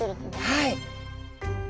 はい。